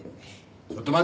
ちょっと待て！